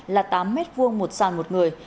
là tám m hai một sàn một người